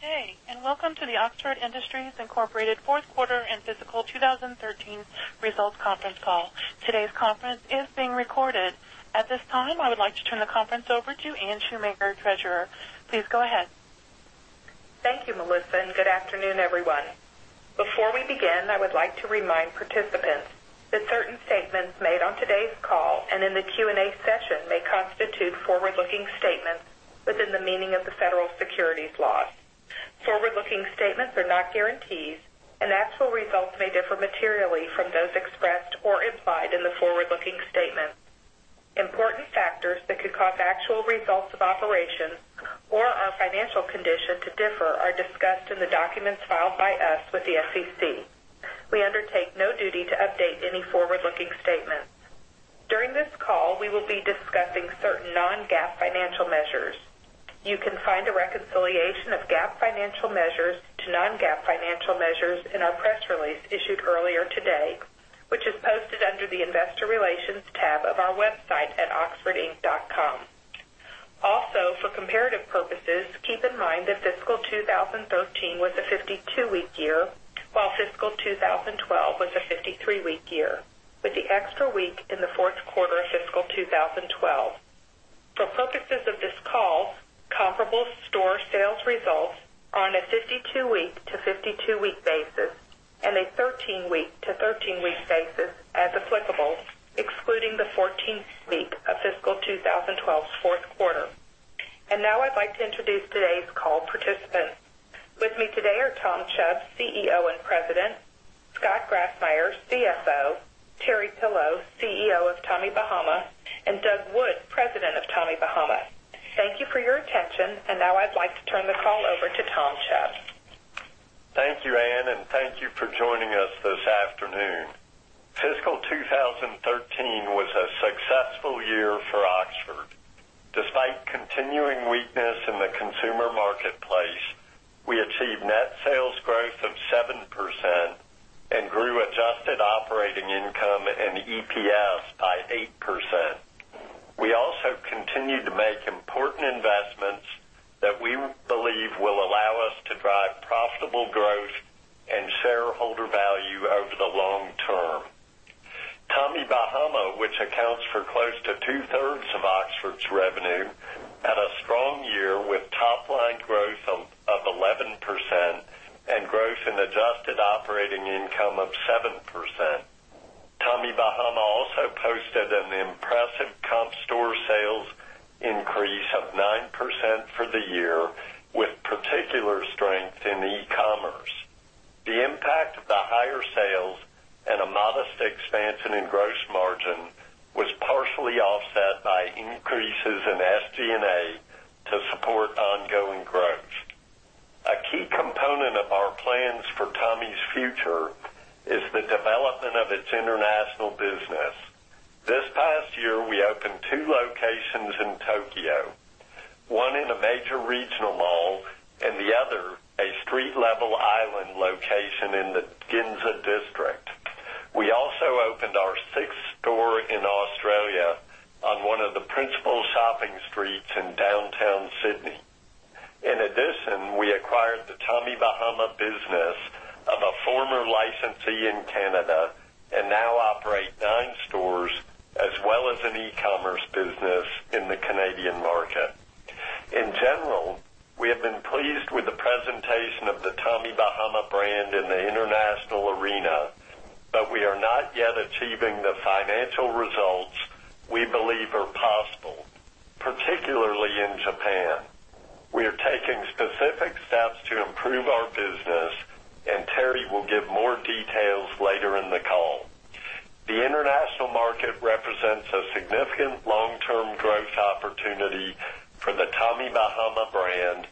Good day. Welcome to the Oxford Industries, Inc. fourth quarter and fiscal 2013 results conference call. Today's conference is being recorded. At this time, I would like to turn the conference over to Anne Shoemaker, Treasurer. Please go ahead. Thank you, Melissa. Good afternoon, everyone. Before we begin, I would like to remind participants that certain statements made on today's call and in the Q&A session may constitute forward-looking statements within the meaning of the federal securities laws. Forward-looking statements are not guarantees, and actual results may differ materially from those expressed or implied in the forward-looking statements. Important factors that could cause actual results of operations or our financial condition to differ are discussed in the documents filed by us with the SEC. We undertake no duty to update any forward-looking statements. During this call, we will be discussing certain non-GAAP financial measures. You can find a reconciliation of GAAP financial measures to non-GAAP financial measures in our press release issued earlier today, which is posted under the investor relations tab of our website at oxfordinc.com. Also, for comparative purposes, keep in mind that fiscal 2013 was a 52-week year, while fiscal 2012 was a 53-week year, with the extra week in the fourth quarter of fiscal 2012. For purposes of this call, comparable store sales results are on a 52-week to 52-week basis and a 13-week to 13-week basis, as applicable, excluding the 14th week of fiscal 2012's fourth quarter. Now I'd like to introduce today's call participants. With me today are Tom Chubb, CEO and President, Scott Grassmyer, CFO, Terry Pillow, CEO of Tommy Bahama, and Doug Wood, President of Tommy Bahama. Thank you for your attention. Now I'd like to turn the call over to Tom Chubb. Thank you, Anne. Thank you for joining us this afternoon. Fiscal 2013 was a successful year for Oxford. Despite continuing weakness in the consumer marketplace, we achieved net sales growth of 7% and grew adjusted operating income and EPS by 8%. We also continued to make important investments that we believe will allow us to drive profitable growth and shareholder value over the long term. Tommy Bahama, which accounts for close to two-thirds of Oxford's revenue, had a strong year with top-line growth of 11% and growth in adjusted operating income of 7%. Tommy Bahama also posted an impressive comp store sales increase of 9% for the year, with particular strength in e-commerce. The impact of the higher sales and a modest expansion in gross margin was partially offset by increases in SG&A to support ongoing growth. A key component of our plans for Tommy's future is the development of its international business. This past year, we opened two locations in Tokyo, one in a major regional mall and the other a street-level island location in the Ginza District. We also opened our sixth store in Australia on one of the principal shopping streets in downtown Sydney. We acquired the Tommy Bahama business of a former licensee in Canada and now operate nine stores as well as an e-commerce business in the Canadian market. We have been pleased with the presentation of the Tommy Bahama brand in the international arena, but we are not yet achieving the financial results we believe are possible, particularly in Japan. We are taking specific steps to improve our business, Terry will give more details later in the call. The international market represents a significant long-term growth opportunity for the Tommy Bahama brand,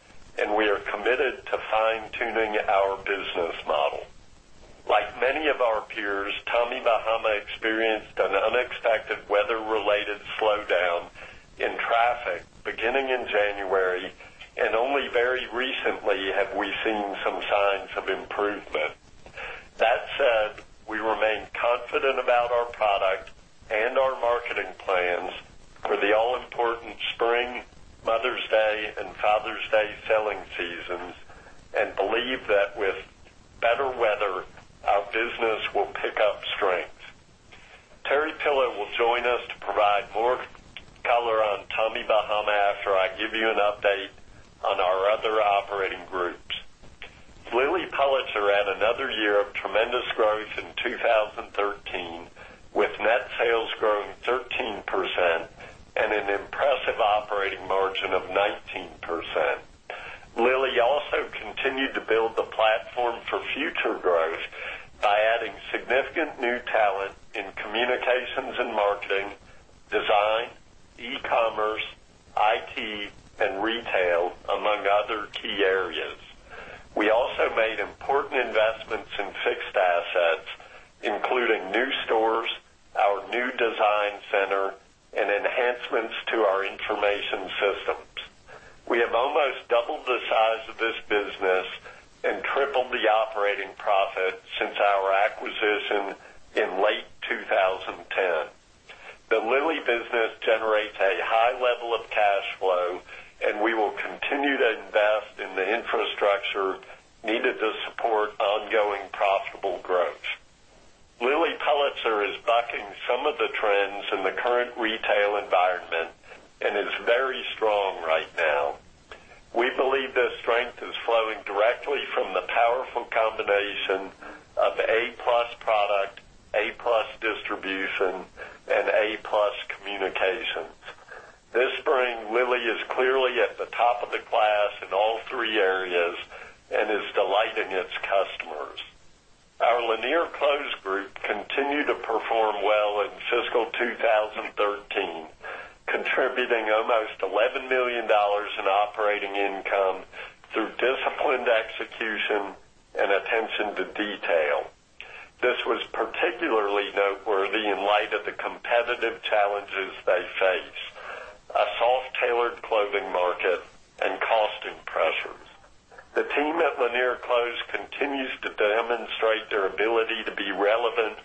we are committed to fine-tuning our business model. Like many of our peers, Tommy Bahama experienced an unexpected weather-related slowdown in traffic beginning in January, only very recently have we seen some signs of improvement. That said, we remain confident about our product and our marketing plans for the all-important spring, Mother's Day, and Father's Day selling seasons and believe that with better weather, our business will pick up strength. Terry Pillow will join us to provide more color on Tommy Bahama after I give you an update on our other operating groups. Lilly Pulitzer had another year of tremendous growth in 2013, with net sales growing 13% and an impressive operating margin of 19%. Lilly also continued to build the platform for future growth by adding significant new talent in communications and marketing, design, e-commerce, IT, and retail, among other key areas. We made important investments in fixed assets, including new stores, our new design center, and enhancements to our information systems. We have almost doubled the size of this business and tripled the operating profit since our acquisition in late 2012. The business generates a high level of cash flow, we will continue to invest in the infrastructure needed to support ongoing profitable growth. Lilly Pulitzer is bucking some of the trends in the current retail environment and is very strong right now. We believe this strength is flowing directly from the powerful combination of A-plus product, A-plus distribution, and A-plus communications. This spring, Lilly is clearly at the top of the class in all three areas and is delighting its customers. Our Lanier Clothes Group continued to perform well in fiscal 2013, contributing almost $11 million in operating income through disciplined execution and attention to detail. This was particularly noteworthy in light of the competitive challenges they face, a soft tailored clothing market, and costing pressures. The team at Lanier Clothes continues to demonstrate their ability to be relevant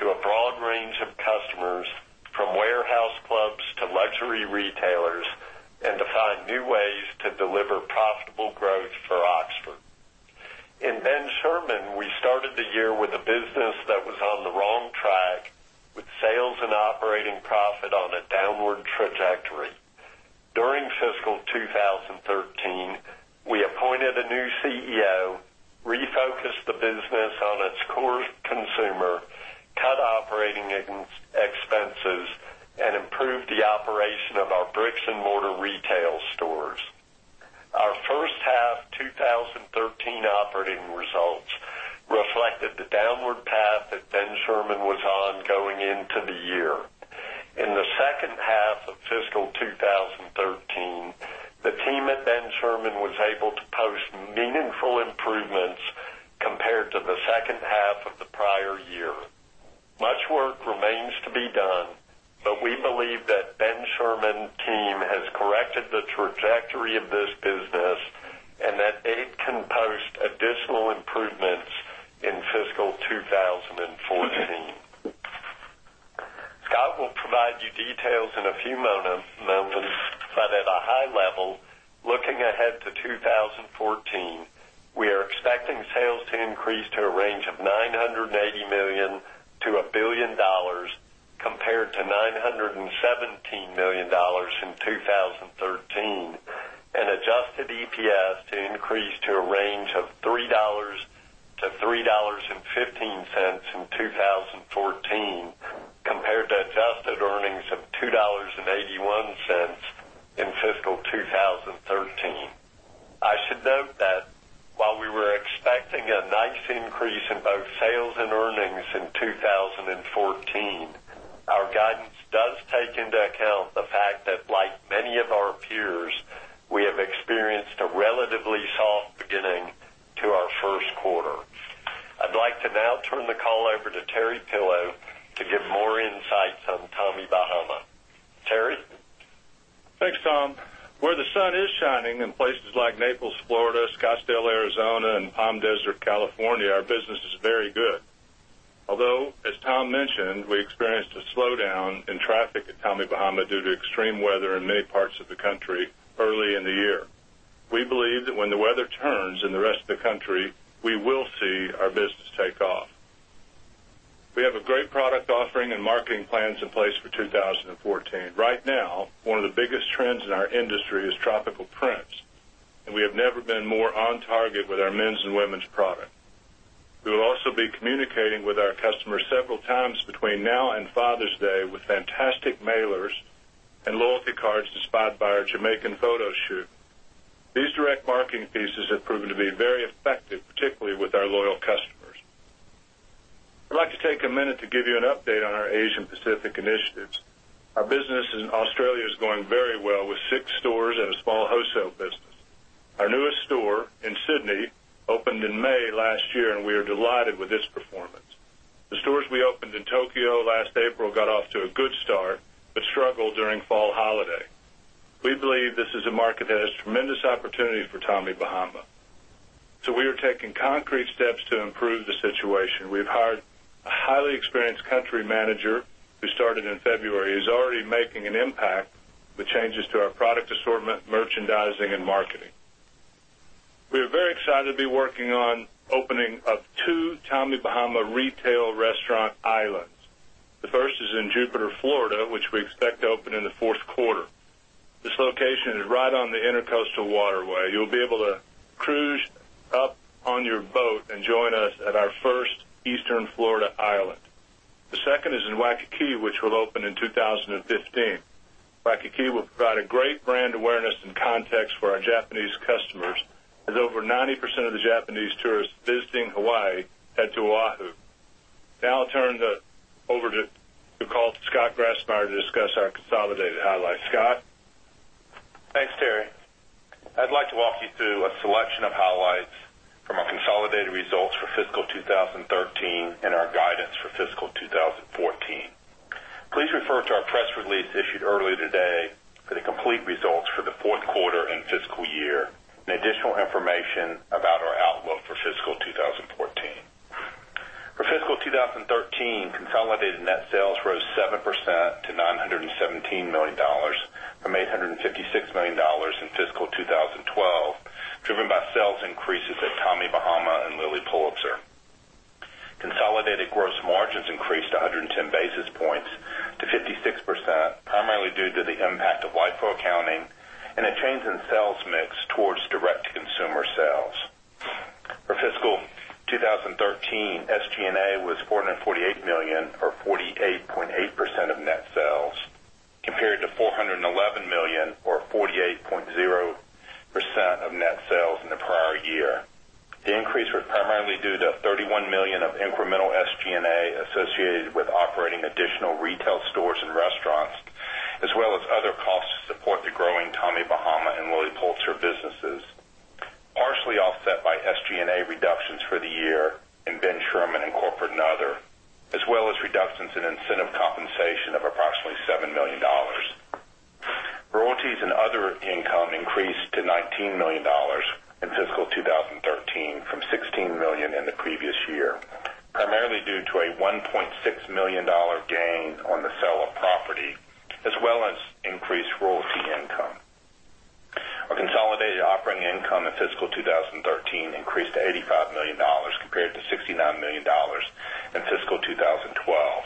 to a broad range of customers, from warehouse clubs to luxury retailers, and to find new ways to deliver profitable growth for Oxford. We started the year with a business that was on the wrong track, with sales and operating profit on a downward trajectory. During fiscal 2013, we appointed a new CEO, refocused the business on its core consumer, cut operating expenses, and improved the operation of our bricks-and-mortar retail stores. Our first half 2013 operating results reflected the downward path that Ben Sherman was on going into the year. In the second half of fiscal 2013, the team at Ben Sherman was able to post meaningful improvements compared to the second half of the prior year. Much work remains to be done, we believe that Ben Sherman team has corrected the trajectory of this business, and that it can post additional improvements in fiscal 2014. Scott will provide you details in a few moments. At a high level, looking ahead to 2014, we are expecting sales to increase to a range of $980 million-$1 billion, compared to $917 million in 2013, and adjusted EPS to increase to a range of $3-$3.15 in 2014, compared to adjusted earnings of $2.81 in fiscal 2013. I should note that while we were expecting a nice increase in both sales and earnings in 2014, our guidance does take into account the fact that like many of our peers, we have experienced a relatively soft beginning to our first quarter. I'd like to now turn the call over to Terry Pillow to give more insights on Tommy Bahama. Terry? Thanks, Tom. Where the sun is shining in places like Naples, Florida, Scottsdale, Arizona, and Palm Desert, California, our business is very good. Although, as Tom mentioned, we experienced a slowdown in traffic at Tommy Bahama due to extreme weather in many parts of the country early in the year. We believe that when the weather turns in the rest of the country, we will see our business take off. We have a great product offering and marketing plans in place for 2014. Right now, one of the biggest trends in our industry is tropical prints. We have never been more on target with our men's and women's product. We will also be communicating with our customers several times between now and Father's Day with fantastic mailers and loyalty cards inspired by our Jamaican photo shoot. These direct marketing pieces have proven to be very effective, particularly with our loyal customers. I'd like to take a minute to give you an update on our Asia Pacific initiatives. Our business in Australia is going very well, with six stores and a small wholesale business. Our newest store in Sydney opened in May last year, we are delighted with its performance. The stores we opened in Tokyo last April got off to a good start but struggled during fall holiday. We believe this is a market that has tremendous opportunities for Tommy Bahama. We are taking concrete steps to improve the situation. We've hired a highly experienced country manager who started in February, who's already making an impact with changes to our product assortment, merchandising, and marketing. We are very excited to be working on opening up two Tommy Bahama retail restaurant islands. The first is in Jupiter, Florida, which we expect to open in the fourth quarter. This location is right on the Intracoastal Waterway. You'll be able to cruise up on your boat and join us at our first Eastern Florida island. The second is in Waikiki, which will open in 2015. Waikiki will provide a great brand awareness and context for our Japanese customers, as over 90% of the Japanese tourists visiting Hawaii head to Oahu. I'll turn the call to Scott Grassmyer to discuss our consolidated highlights. Scott? Thanks, Terry. I'd like to walk you through a selection of highlights from our consolidated results for fiscal 2013 and our guidance for fiscal 2014. Please refer to our press release issued earlier today for the complete results for the fourth quarter and fiscal year and additional information about our outlook for fiscal 2014. For fiscal 2013, consolidated net sales rose 7% to $917 million from $856 million in fiscal 2012, driven by sales increases at Tommy Bahama and Lilly Pulitzer. Consolidated gross margins increased 110 basis points to 56%, primarily due to the impact of LIFO accounting and a change in sales mix towards direct-to-consumer sales. For fiscal 2013, SG&A was $448 million or 48.8% of net sales, compared to $411 million or 48.0% of net sales in the prior year. The increase was primarily due to $31 million of incremental SG&A associated with operating additional retail stores and restaurants, as well as other costs to support the growing Tommy Bahama and Lilly Pulitzer businesses, partially offset by SG&A reductions for the year in Ben Sherman and corporate and other, as well as reductions in incentive compensation of approximately $7 million. Royalties and other income increased to $19 million in fiscal 2013 from $16 million in the previous year, primarily due to a $1.6 million gain on the sale of property, as well as increased royalty income. Our consolidated operating income in fiscal 2013 increased to $85 million compared to $69 million in fiscal 2012.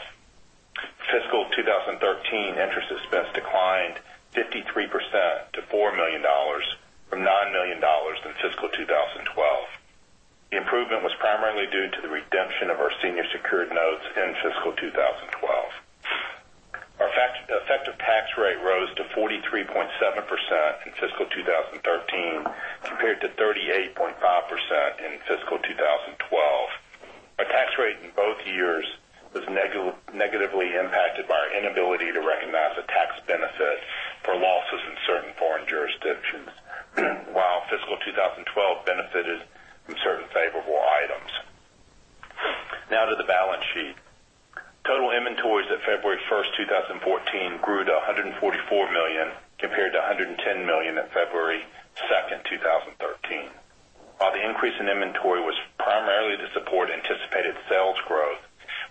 Fiscal 2013 interest expense declined 53% to $4 million from $9 million in fiscal 2012. The improvement was primarily due to the redemption of our senior secured notes in fiscal 2012. Our effective tax rate rose to 43.7% in fiscal 2013 compared to 38.5% in fiscal 2012. Our tax rate in both years was negatively impacted by our inability to recognize a tax benefit for losses in certain foreign jurisdictions, while fiscal 2012 benefited from certain favorable items. To the balance sheet. Total inventories at February 1st, 2014, grew to $144 million compared to $110 million at February 2nd, 2013. While the increase in inventory was primarily to support anticipated sales growth,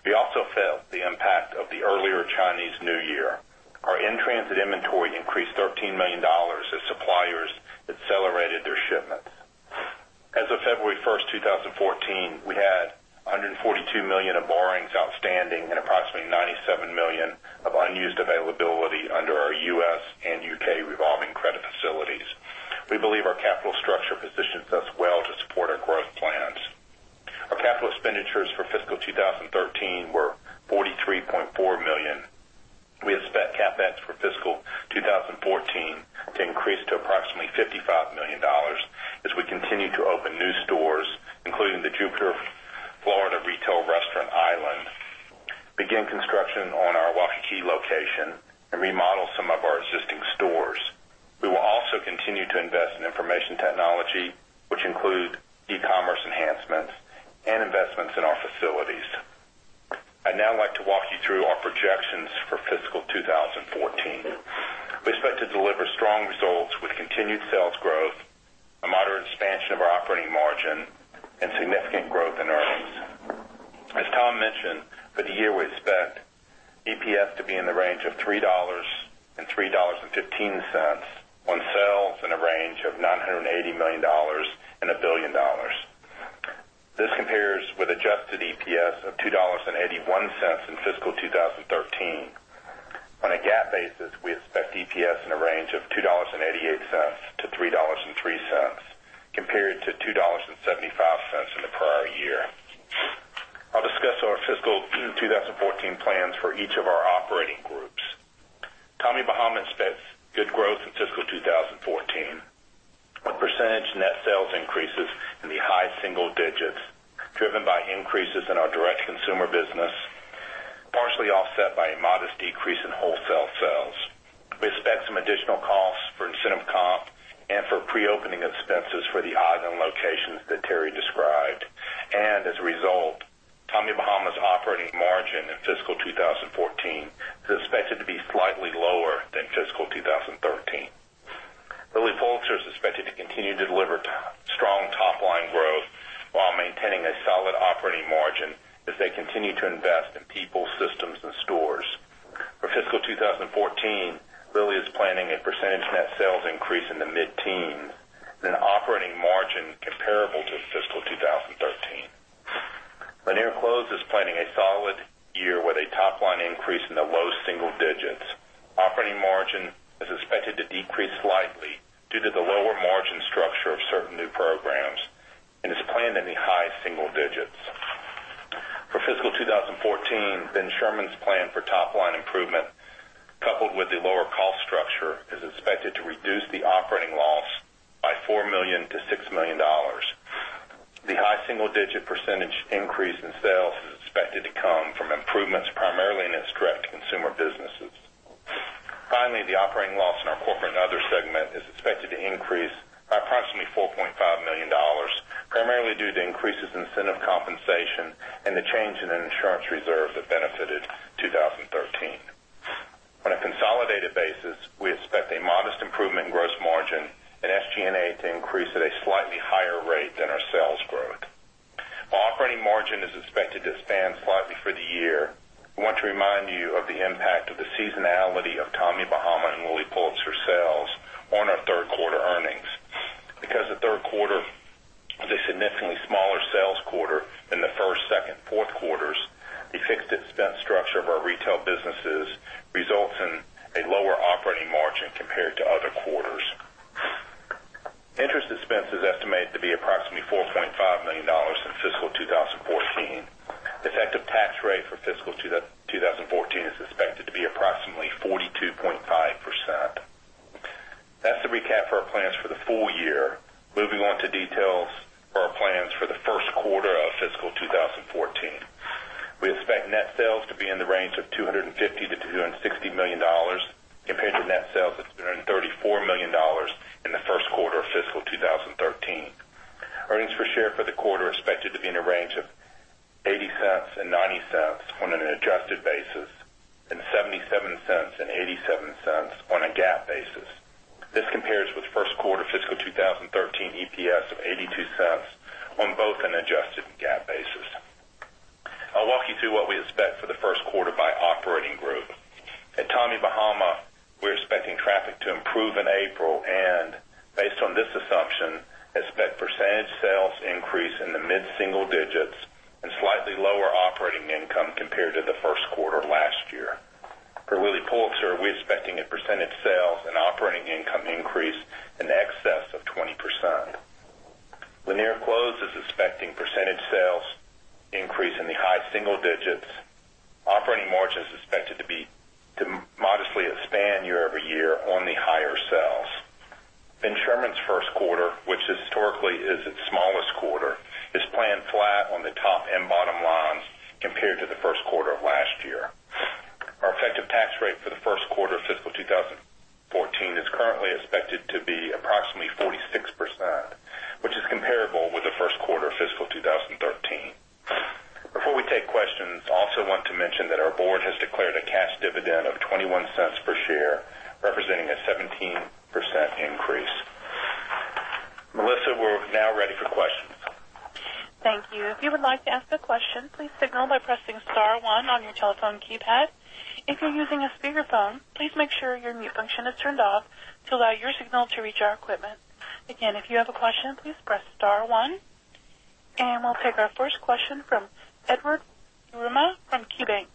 we also felt the impact of the earlier Chinese New Year. Our in-transit inventory increased $13 million as suppliers accelerated their shipments. As of February 1st, 2014, we had $142 million of borrowings outstanding and approximately $97 million of unused availability under our U.S. and U.K. revolving credit facilities. We believe our capital structure Tommy Bahama's operating margin in fiscal 2014 is expected to be slightly lower than fiscal 2013. Lilly Pulitzer is expected to continue to deliver strong top-line growth while maintaining a solid operating margin as they continue to invest in people, systems, and stores. For fiscal 2014, Lilly is planning a percentage net sales increase in the mid-teens and an operating margin comparable to fiscal 2013. Lanier Clothes is planning a solid year with a top-line increase in the low single digits. Operating margin is expected to decrease slightly due to the lower margin structure of certain new programs and is planned in the high single digits. For fiscal 2014, Ben Sherman's plan for top-line improvement, coupled with a lower cost structure, is expected to reduce the operating loss by $4 million-$6 million. The high single-digit percentage increase in sales is expected to come from improvements primarily in its direct consumer businesses. Finally, the operating loss in our corporate and other segment is expected to increase by approximately $4.5 million, primarily due to increases in incentive compensation and the change in insurance reserves that benefited 2013. On a consolidated SG&A to increase at a slightly higher rate than our sales growth. Operating margin is expected to expand slightly for the year. We want to remind you of the impact of the seasonality of Tommy Bahama and Lilly Pulitzer sales on our third quarter earnings. Because the third quarter is a significantly smaller sales quarter than the first, second, fourth quarters, the fixed expense structure of our retail businesses results in a lower operating margin compared to other quarters. Interest expense is estimated to be approximately $4.5 million in fiscal 2014. Effective tax rate for fiscal 2014 is expected to be approximately 42.5%. That's the recap for our plans for the full year. Moving on to details for our plans for the first quarter of fiscal 2014. We expect net sales to be in the range of $250 million to $260 million, compared to net sales of $234 million in the first quarter of fiscal 2013. Earnings per share for the quarter are expected to be in a range of $0.80 and $0.90 on an adjusted basis, and $0.77 and $0.87 on a GAAP basis. This compares with first quarter fiscal 2013 EPS of $0.82 on both an adjusted and GAAP basis. I'll walk you through what we expect for the first quarter by operating group. At Tommy Bahama, we're expecting traffic to improve in April and, based on this assumption, expect percentage sales increase in the mid-single digits and slightly lower operating income compared to the first quarter last year. For Lilly Pulitzer, we're expecting a percentage sales and operating income increase in excess of 20%. Lanier Clothes is expecting percentage sales increase in the high single digits. Operating margin is expected to modestly expand year-over-year on the higher sales. Ben Sherman's first quarter, which historically is its smallest quarter, is planned flat on the top and bottom lines compared to the first quarter of last year. Our effective tax rate for the first quarter of fiscal 2014 is currently expected to be approximately 46%, which is comparable with the first quarter of fiscal 2013. Before we take questions, I also want to mention that our board has declared a cash dividend of $0.21 per share, representing a 17% increase. Melissa, we're now ready for questions. Thank you. If you would like to ask a question, please signal by pressing *1 on your telephone keypad. If you're using a speakerphone, please make sure your mute function is turned off to allow your signal to reach our equipment. If you have a question, please press *1. We'll take our first question from Edward Yruma from KeyBanc.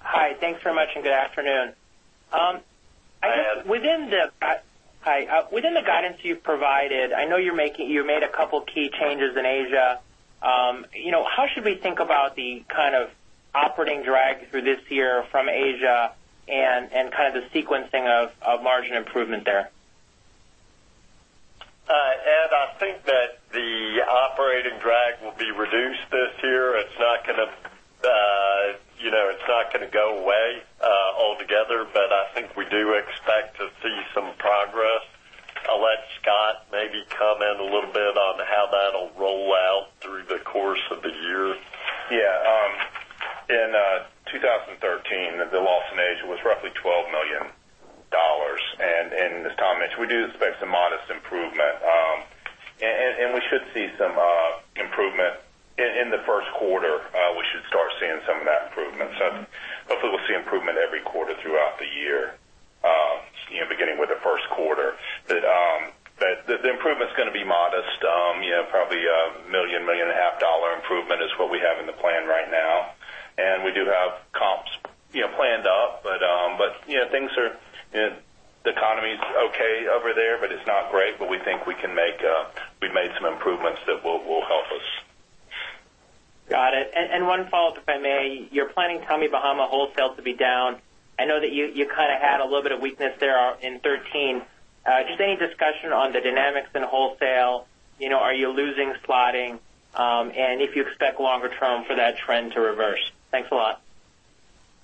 Hi, thanks very much and good afternoon. Hi, Ed. Hi. Within the guidance you've provided, I know you made a couple key changes in Asia. How should we think about the operating drag through this year from Asia and the sequencing of margin improvement there? Ed, I think that the operating drag will be reduced this year. It's not going to go away altogether, but I think we do expect to see some progress. I'll let Scott maybe come in a little bit on how that'll roll out through the course of the year. Yeah. In 2013, the loss in Asia was roughly $12 million. As Tom mentioned, we do expect some modest improvement. We should see some improvement in the first quarter. We should start seeing some of that improvement. Hopefully we'll see improvement every quarter throughout the year beginning with the first quarter. The improvement's going to be modest. Probably a million and a half dollar improvement is what we have in the plan right now, and we do have comps planned up. The economy's okay over there, but it's not great. We think we've made some improvements that will help us. Got it. One follow-up, if I may. You're planning Tommy Bahama wholesale to be down. I know that you had a little bit of weakness there in 2013. Just any discussion on the dynamics in wholesale, are you losing slotting? If you expect longer term for that trend to reverse. Thanks a lot.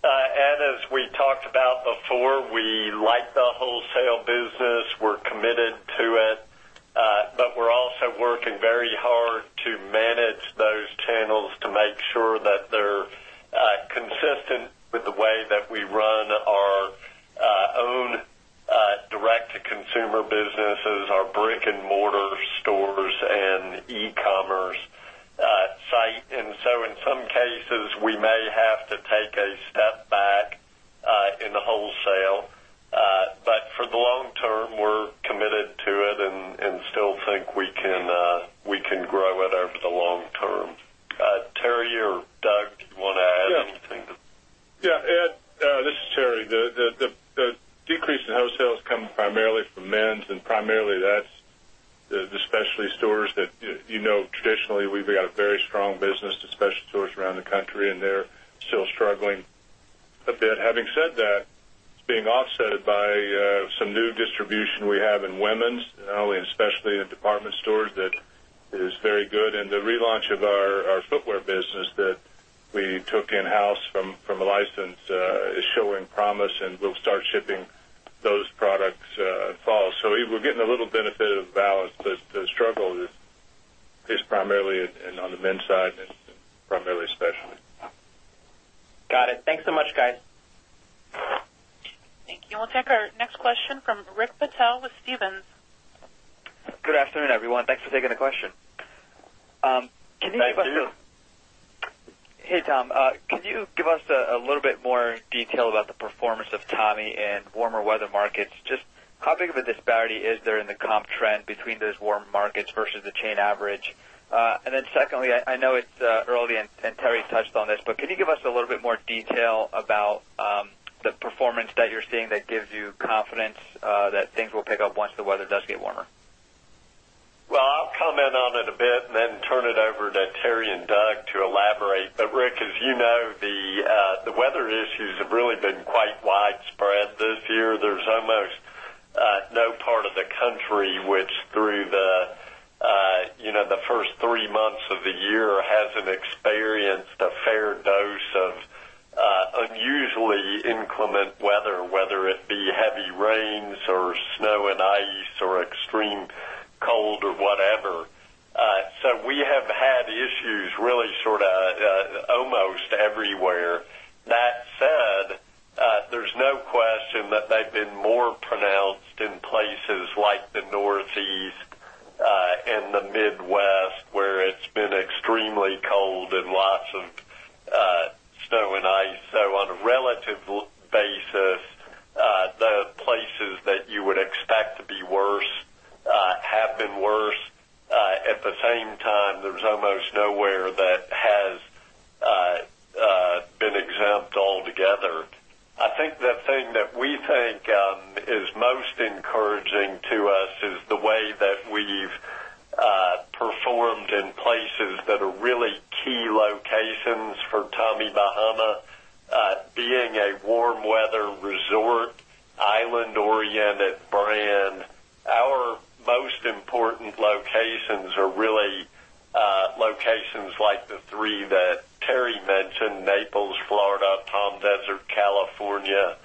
Ed, as we talked about before, we like the wholesale business. We're committed to it. We're also working very hard to manage those channels to make sure that they're consistent with the way that we run our own direct-to-consumer businesses, our brick and mortar stores and e-commerce site. In some cases, we may have to take a step back in the wholesale. For the long term, we're committed to it and still think we can grow it over the long term. Terry or Doug, do you want to add anything? Yeah. Ed, this is Terry. The decrease in wholesales comes primarily from men's and primarily that's the specialty stores that you know traditionally we've got a very strong business to specialty stores around the country, and they're still struggling a bit. Having said that, it's being offset by some new distribution we have in women's, especially in department stores, that is very good. The relaunch of our footwear business that we took in-house from a license is showing promise, and we'll start shipping those products in fall. We're getting a little benefit of balance, the struggle is primarily on the men's side and primarily specialty. Thank you. We'll take our next question from Rakesh Patel with Stephens. Good afternoon, everyone. Thanks for taking the question. Thank you. Hey, Tom. Can you give us a little bit more detail about the performance of Tommy in warmer weather markets? Just how big of a disparity is there in the comp trend between those warm markets versus the chain average? Secondly, I know it's early, and Terry touched on this, but can you give us a little bit more detail about the performance that you're seeing that gives you confidence that things will pick up once the weather does get warmer? Well, I'll comment on it a bit and then turn it over to Terry and Doug to elaborate. Rick, as you know, the weather issues have really been quite widespread this year. There's almost no part of the country which, through the first three months of the year, hasn't experienced a fair dose of unusually inclement weather, whether it be heavy rains or snow and ice or extreme cold or whatever. We have had issues really sort of almost everywhere. That said, there's no question that they've been more pronounced in places like the Northeast and the Midwest, where it's been extremely cold and lots of snow and ice. On a relative basis, the places that you would expect to be worse have been worse. At the same time, there's almost nowhere that has been exempt altogether. I think the thing that we think is most encouraging to us is the way that we've performed in places that are really key locations for Tommy Bahama. Being a warm weather resort, island-oriented brand, our most important locations are really locations like the three that Terry mentioned, Naples, Florida, Palm Desert, California,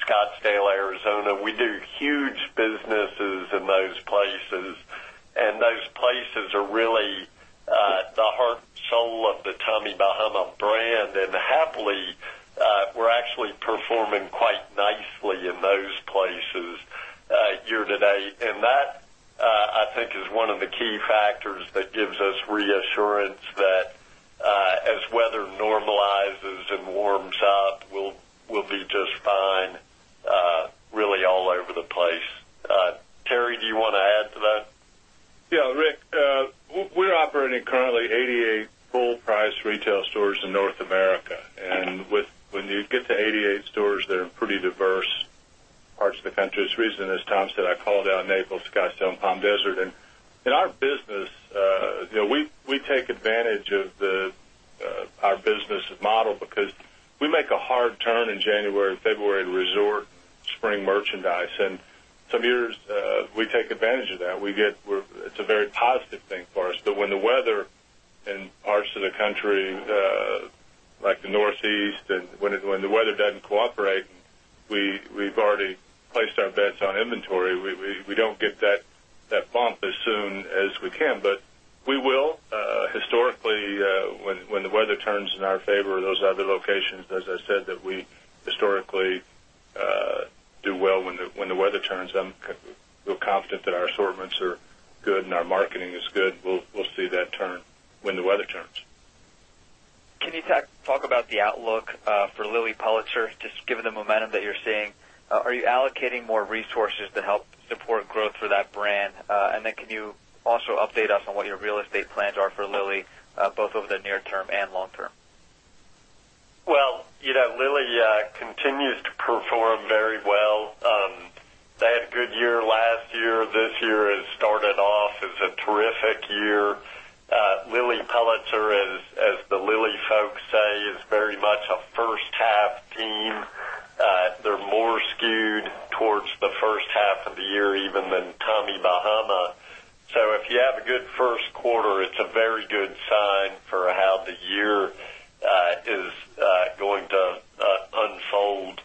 Scottsdale, Arizona. We do huge businesses in those places, and those places are really the heart and soul of the Tommy Bahama brand. Happily, we're actually performing quite nicely in those places year-to-date. That, I think, is one of the key factors that gives us reassurance that as weather normalizes and warms up, we'll be just fine really all over the place. Terry, do you want to add to that? Yeah, Rick. We're operating currently 88 full-price retail stores in North America. When you get to 88 stores that are in pretty diverse parts of the country, it's the reason, as Tom said, I called out Naples, Scottsdale, and Palm Desert. In our business, we take advantage of our business model because we make a hard turn in January and February to resort spring merchandise. Some years, we take advantage of that. It's a very positive thing for us. When the weather in parts of the country, like the Northeast, and when the weather doesn't cooperate, we've already placed our bets on inventory. We don't get that bump as soon as we can. We will. Historically, when the weather turns in our favor, those other locations, as I said, that we historically do well when the weather turns. I'm real confident that our assortments are good and our marketing is good. We'll see that turn when the weather turns. Can you talk about the outlook for Lilly Pulitzer, just given the momentum that you're seeing? Are you allocating more resources to help support growth for that brand? Can you also update us on what your real estate plans are for Lilly both over the near term and long term? Well, Lilly continues to perform very well. They had a good year last year. This year has started off as a terrific year. Lilly Pulitzer, as the Lilly folks say, is very much a first-half team. They're more skewed towards the first half of the year even than Tommy Bahama. If you have a good first quarter, it's a very good sign for how the year is going to unfold.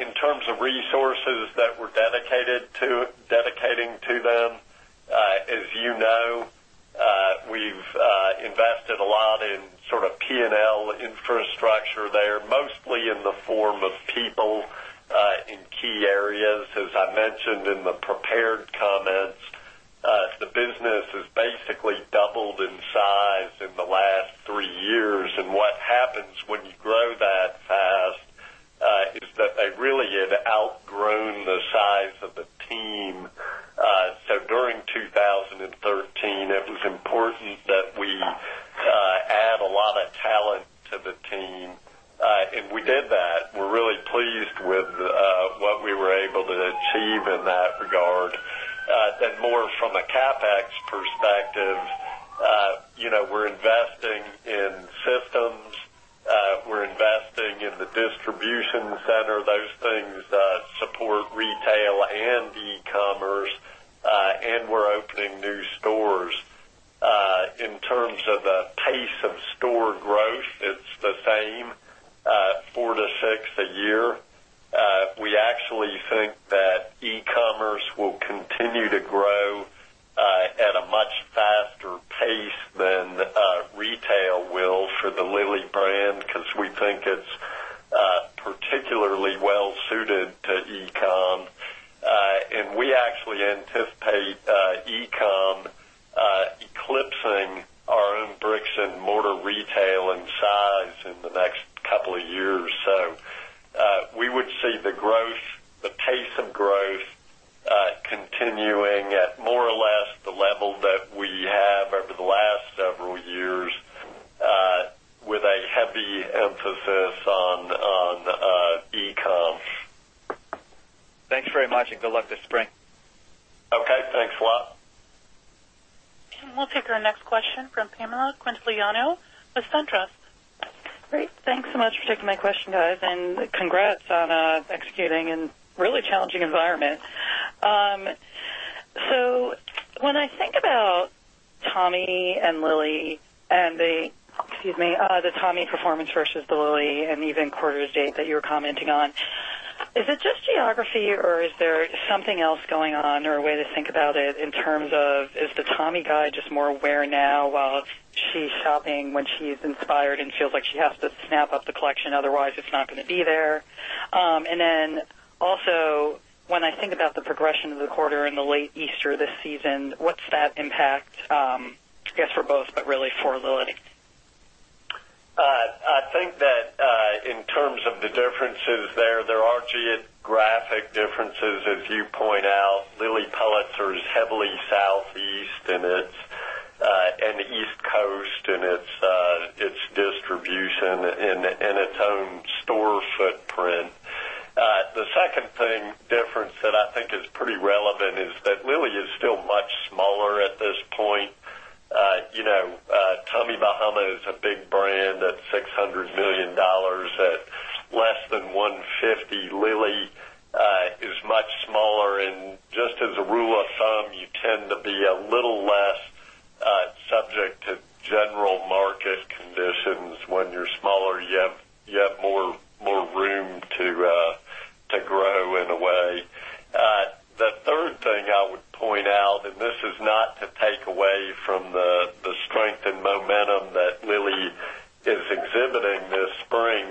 In terms of resources that we're dedicating to them, as you know, we've invested a lot in sort of P&L infrastructure there, mostly in the form of people in key areas. As I mentioned in the prepared comments, the business has basically doubled in size in the last three years. What happens when you grow that fast is that they really had outgrown the size of the team. During 2013, it was important that we add a lot of talent to the team, and we did that. We're really pleased with what we were able to achieve in that regard. More from a CapEx perspective, we're investing in systems, we're investing in the distribution center, those things that support retail and e-commerce, and we're opening new stores. In terms of the pace of store growth, it's the same, four to six a year. We actually think that e-commerce will continue to grow Retail will for the Lilly brand, because we think it's particularly well-suited to e-com. We actually anticipate e-com eclipsing our own bricks and mortar retail in size in the next couple of years. We would see the pace of growth continuing at more or less the level that we have over the last several years, with a heavy emphasis on e-com. Thanks very much, good luck this spring. Okay, thanks a lot. We'll take our next question from Pamela Quintiliano with SunTrust. Great. Thanks so much for taking my question, guys, and congrats on executing in a really challenging environment. When I think about Tommy and Lilly and the Tommy performance versus the Lilly and even quarter-to-date that you were commenting on, is it just geography or is there something else going on or a way to think about it in terms of, is the Tommy guy just more aware now while she's shopping when she's inspired and feels like she has to snap up the collection, otherwise it's not going to be there? Then also when I think about the progression of the quarter in the late Easter this season, what's that impact, I guess, for both, but really for Lilly? I think that in terms of the differences there are geographic differences. As you point out, Lilly Pulitzer is heavily Southeast and the East Coast in its distribution and its own store footprint. The second difference that I think is pretty relevant is that Lilly is still much smaller at this point. Tommy Bahama is a big brand at $600 million. At less than $150 million, Lilly is much smaller. Just as a rule of thumb, you tend to be a little less subject to general market conditions. When you're smaller, you have more room to grow, in a way. The third thing I would point out, this is not to take away from the strength and momentum that Lilly is exhibiting this spring,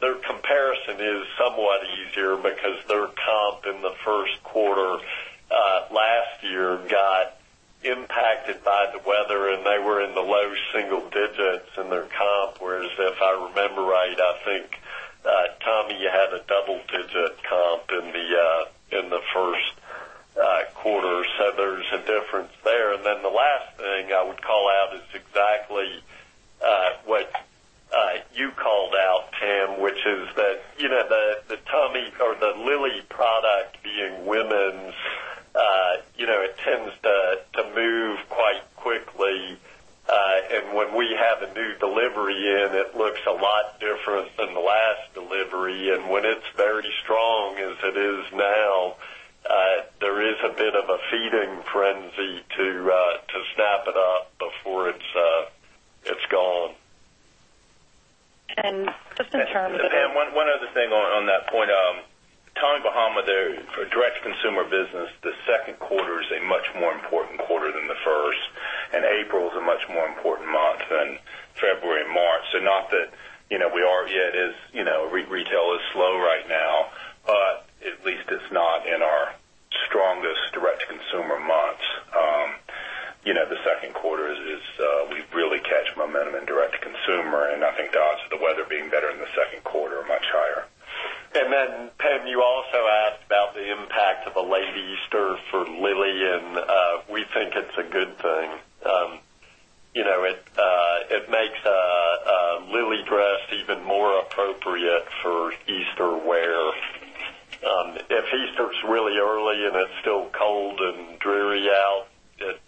their comparison is somewhat easier because their comp in the first quarter last year got impacted by the weather, and they were in the low single digits in their comp. Whereas, if I remember right, I think Tommy had a double-digit comp in the first quarter. There's a difference there. The last thing I would call out is exactly what you called out, Pam, which is that the Lilly product being women's, it tends to move quite quickly. When we have a new delivery in, it looks a lot different than the last delivery. When it's very strong as it is now, there is a bit of a feeding frenzy to snap it up before it's gone. Just in terms of. Pam, one other thing on that point. Tommy Bahama, their direct-to-consumer business, the second quarter is a much more important quarter than the first, April is a much more important month than February and March. Not that we aren't yet as Retail is slow right now, but at least it's not in our strongest direct-to-consumer months. The second quarter is we really catch momentum in direct-to-consumer, I think the odds of the weather being better in the second quarter are much higher. Then, Pam, you also asked about the impact of a late Easter for Lilly, we think it's a good thing. It makes a Lilly dress even more appropriate for Easter wear. If Easter is really early and it's still cold and dreary out, it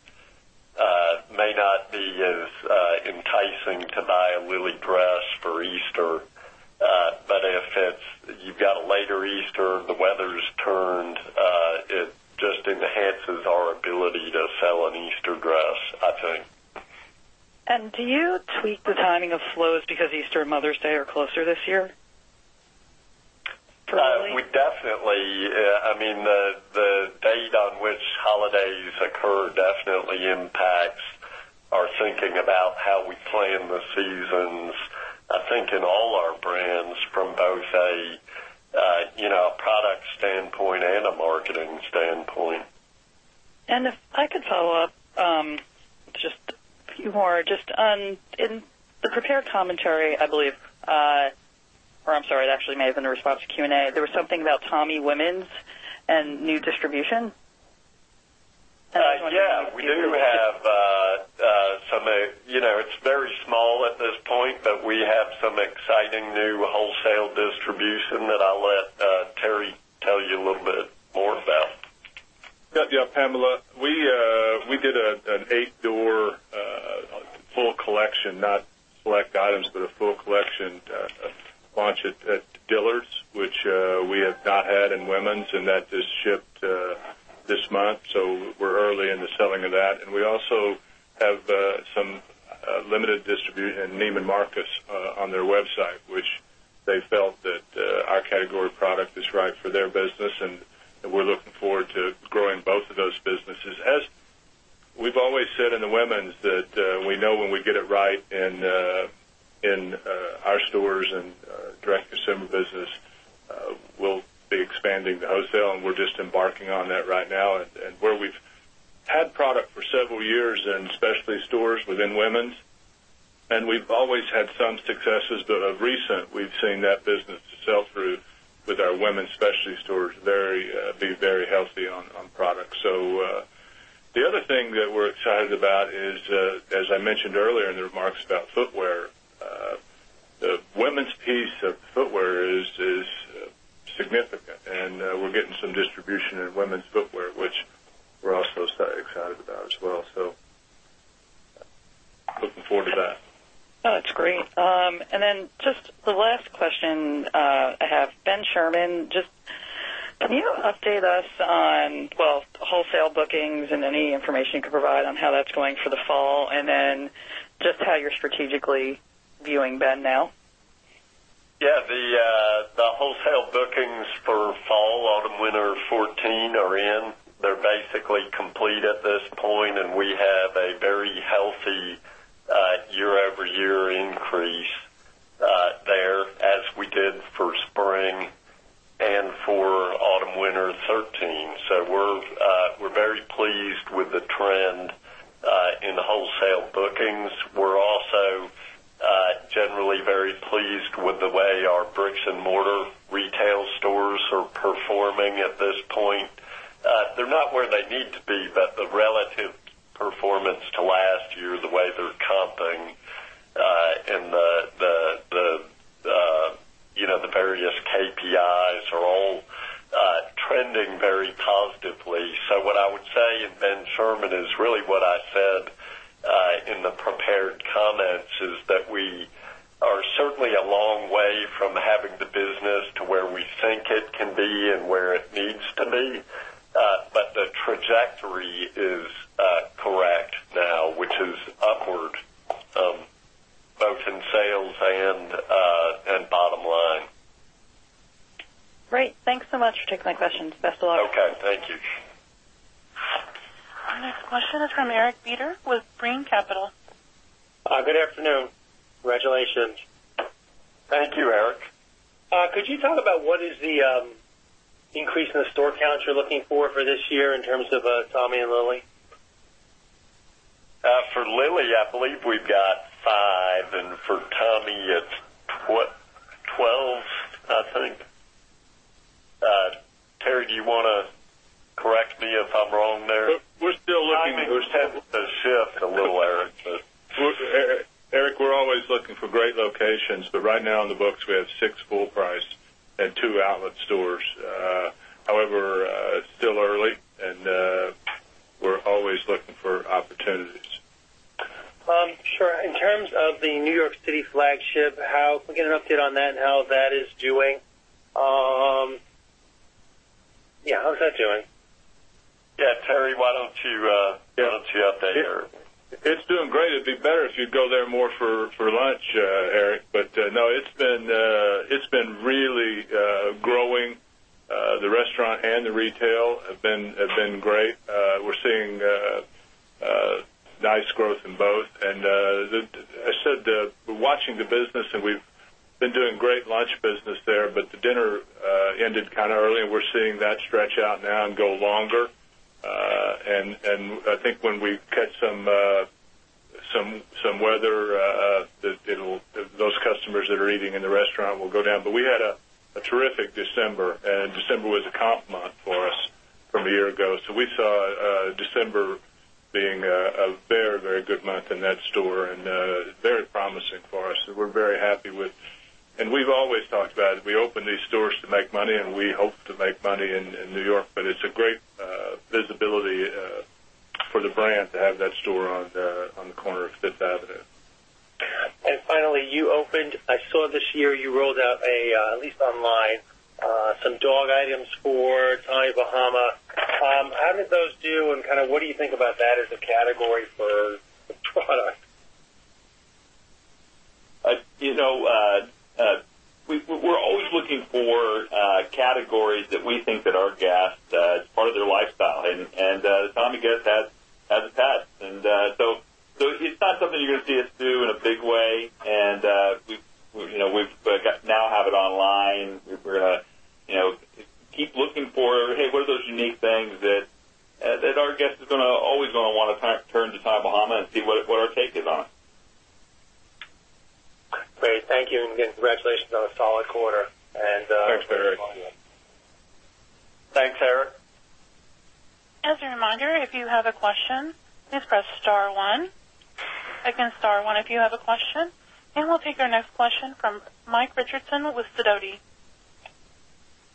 may not be as enticing to buy a Lilly dress for Easter. If you've got a later Easter, the weather's turned, it just enhances our ability to sell an Easter dress, I think. Do you tweak the timing of flows because Easter and Mother's Day are closer this year for Lilly? The date on which holidays occur definitely impacts our thinking about how we plan the seasons, I think in all our brands, from both a product standpoint and a marketing standpoint. If I could follow up just a few more, just on the prepared commentary, I believe, or I'm sorry, it actually may have been a response to Q&A. There was something about Tommy Women's and new distribution. I just wondering if you could- Yeah, it's very small at this point, but we have some exciting new wholesale distribution that I'll let Terry tell you a little bit more about. Pamela. We did an eight-door full collection, not select items, but a full collection launch at Dillard's, which we have not had in women's, and that just shipped this month. We're early in the selling of that. We also have some limited distribution in Neiman Marcus on their website, which they felt that our category product is right for their business. We're looking forward to both of those businesses. As we've always said in the women's that we know when we get it right in our stores and direct-to-consumer business, we'll be expanding the wholesale, and we're just embarking on that right now. Where we've had product for several years in specialty stores within women's, and we've always had some successes, but of recent, we've seen that business sell-through with our women's specialty stores be very healthy on product. The other thing that we're excited is, as I mentioned earlier in the remarks about footwear. The women's piece of footwear is significant, we're getting some distribution in women's footwear, which we're also excited about as well. Looking forward to that. That's great. Just the last question I have, Ben Sherman, just can you update us on wholesale bookings and any information you can provide on how that's going for the fall and then just how you're strategically viewing Ben now? The wholesale bookings for fall/autumn/winter 2014 are in. They're basically complete at this point, and we have a very healthy year-over-year increase there as we did for spring and for autumn/winter 2013. We're very pleased with the trend in the wholesale bookings. We're also generally very pleased with the way our bricks-and-mortar retail stores are performing at this point. They're not where they need to be, but the relative performance to last year, the way they're comping, and the various KPIs are all trending very positively. What I would say in Ben Sherman is really what I said in the prepared comments is that we are certainly a long way from having the business to where we think it can be and where it needs to be. The trajectory is correct now, which is upward, both in sales and bottom line. Great. Thanks so much for taking my questions. Best of luck. Okay. Thank you. Our next question is from Eric Beder with Brean Capital. Good afternoon. Congratulations. Thank you, Eric. Could you talk about what is the increase in the store counts you're looking for this year in terms of Tommy and Lilly? For Lilly, I believe we've got five, and for Tommy it's 12, I think. Terry, do you want to correct me if I'm wrong there? We're still looking. Tommy has shifted a little, Eric. Eric, we're always looking for great locations, but right now in the books, we have six full price and two outlet stores. However, it's still early, and we're always looking for opportunities. Sure. In terms of the New York City flagship, can we get an update on that and how that is doing? Yeah, how's that doing? Yeah. Terry, why don't you update Eric? It's doing great. It'd be better if you'd go there more for lunch, Eric. No, it's been really growing. The restaurant and the retail have been great. We're seeing nice growth in both. As I said, we're watching the business, and we've been doing great lunch business there, but the dinner ended early, and we're seeing that stretch out now and go longer. I think when we catch some weather, those customers that are eating in the restaurant will go down. We had a terrific December, and December was a comp month for us from a year ago. We saw December being a very good month in that store and very promising for us. We're very happy with it. We've always talked about it. We opened these stores to make money, and we hope to make money in New York, but it's a great visibility for the brand to have that store on the corner of Fifth Avenue. Finally, you opened, I saw this year you rolled out at least online, some dog items for Tommy Bahama. How did those do, and what do you think about that as a category for the product? We're always looking for categories that we think that our guests, as part of their lifestyle, and the Tommy guest has a pet. So it's not something you're going to see us do in a big way. We now have it online. We're going to keep looking for, hey, what are those unique things that our guest is always going to want to turn to Tommy Bahama and see what our take is on it. Great. Thank you. Congratulations on a solid quarter. Thanks, Eric. Thanks, Eric. As a reminder, if you have a question, please press star one. Again, star one if you have a question. We'll take our next question from Mike Richardson with Sidoti.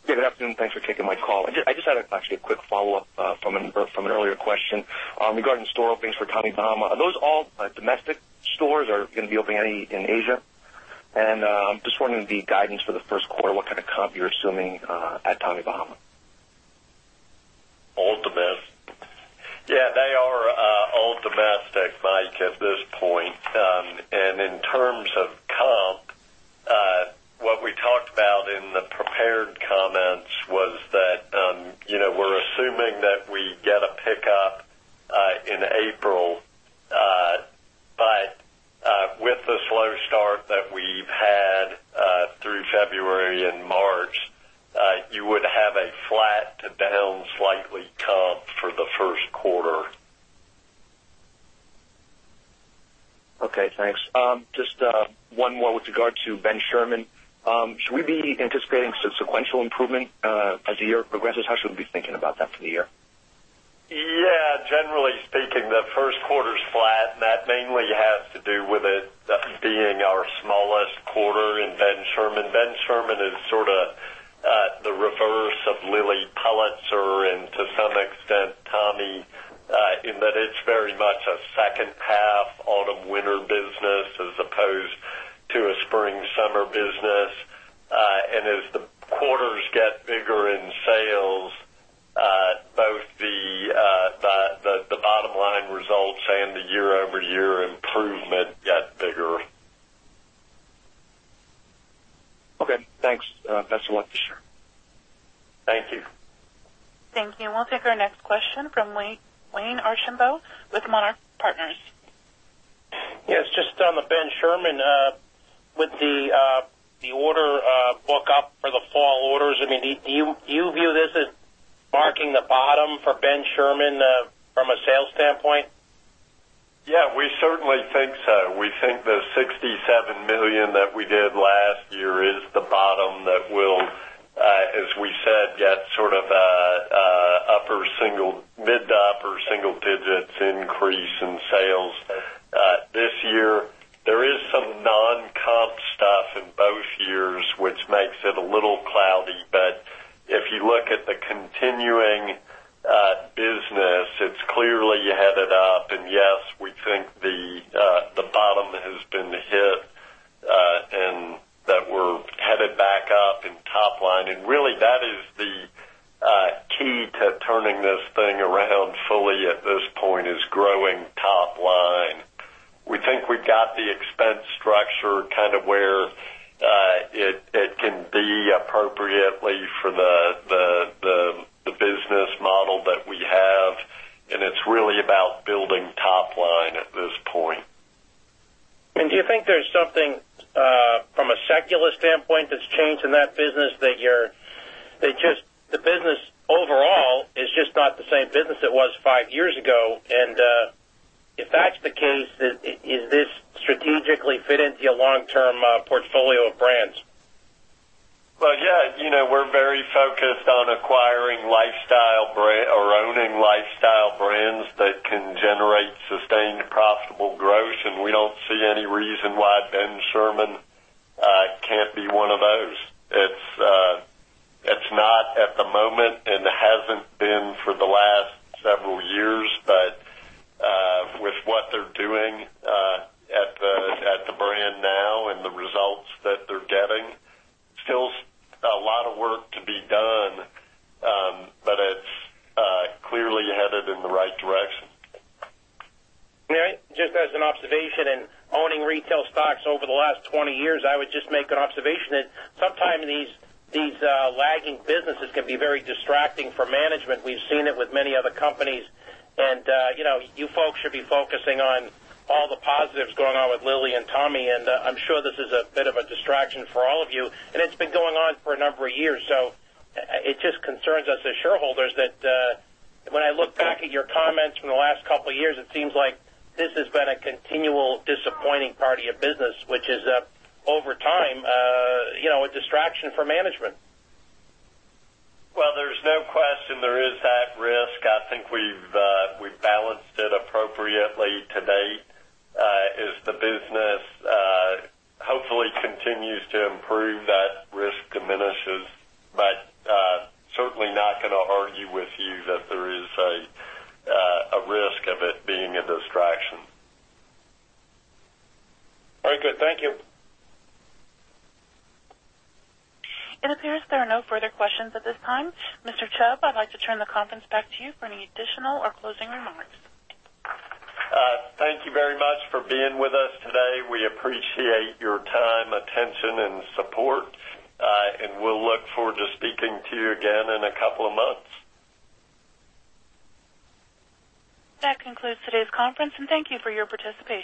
good afternoon. Thanks for taking my call. I just had actually a quick follow-up from an earlier question regarding store openings for Tommy Bahama. Are those all domestic stores or are you going to be opening any in Asia? Just wondering the guidance for the first quarter, what kind of comp you're assuming at Tommy Bahama. All domestic. Yeah, they are all domestic, Mike, at this point. In terms of comp, prepared comments was that we're assuming that we get a pickup in April. With the slow start that we've had through February and March, you would have a flat to down slightly comp for the first quarter. Okay, thanks. Just one more with regard to Ben Sherman. Should we be anticipating sequential improvement as the year progresses? How should we be thinking about that for the year? Yeah. Generally speaking, the first quarter's flat. That mainly has to do with it being our smallest quarter in Ben Sherman. Ben Sherman is sort of the reverse of Lilly Pulitzer, to some extent, Tommy, in that it's very much a second half, autumn/winter business as opposed to a spring/summer business. As the quarters get bigger in sales, both the bottom line results and the year-over-year improvement get bigger. Okay, thanks. Best of luck this year. Thank you. Thank you. We'll take our next question from Wayne Archambault with Monarch Partners. Yes, just on the Ben Sherman, with the order book up for the fall orders, do you view this as marking the bottom for Ben Sherman from a sales standpoint? Yeah, we certainly think so. We think the $67 million that we did last year is the bottom that will, as we said, get mid to upper single digits increase in sales. This year, there is some non-comp stuff in both years, which makes it a little cloudy. If you look at the continuing business, it's clearly headed up. Yes, we think the bottom has been hit, and that we're headed back up in top line. Really, that is the key to turning this thing around fully at this point, is growing top line. We think we got the expense structure where it can be appropriately for the business model that we have, it's really about building top line at this point. Do you think there's something from a secular standpoint that's changed in that business, that the business overall is just not the same business it was five years ago? If that's the case, is this strategically fit into your long-term portfolio of brands? Well, yeah. We're very focused on acquiring lifestyle brand or owning lifestyle brands that can generate sustained profitable growth, we don't see any reason why Ben Sherman can't be one of those. It's not at the moment and hasn't been for the last several years. With what they're doing at the brand now and the results that they're getting, still a lot of work to be done, but it's clearly headed in the right direction. All right. Just as an observation, owning retail stocks over the last 20 years, I would just make an observation that sometimes these lagging businesses can be very distracting for management. We've seen it with many other companies, you folks should be focusing on all the positives going on with Lilly and Tommy, I'm sure this is a bit of a distraction for all of you, it's been going on for a number of years. It just concerns us as shareholders that when I look back at your comments from the last couple of years, it seems like this has been a continual disappointing part of your business, which is over time, a distraction for management. there's no question there is that risk. I think we've balanced it appropriately to date. As the business hopefully continues to improve, that risk diminishes. certainly not going to argue with you that there is a risk of it being a distraction. Very good. Thank you. It appears there are no further questions at this time. Mr. Chubb, I'd like to turn the conference back to you for any additional or closing remarks. Thank you very much for being with us today. We appreciate your time, attention, and support, and we'll look forward to speaking to you again in a couple of months. That concludes today's conference, and thank you for your participation.